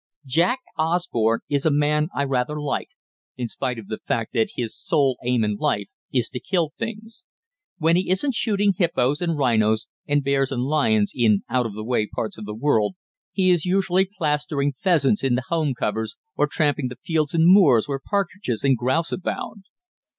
Jack Osborne is a man I rather like, in spite of the fact that his sole aim in life is to kill things. When he isn't shooting "hippos" and "rhinos" and bears and lions in out of the way parts of the world, he is usually plastering pheasants in the home covers, or tramping the fields and moors where partridges and grouse abound.